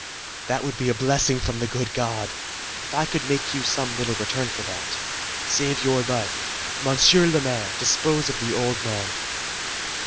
that would be a blessing from the good God, if I could make you some little return for that! Save your life! Monsieur le Maire, dispose of the old man!"